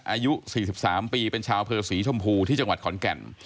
อายุ๔๓ปีเป็นชาวเผลอสีชมพูที่จังหวัดขอนแก่น